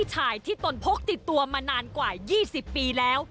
ชายที่ตนพกติดตัวมานานกว่า๒๐ปีแล้ว